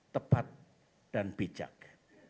tepat dan bijak